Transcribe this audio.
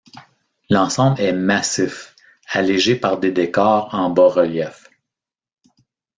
L'ensemble est massif, allégé par des décors en bas-relief.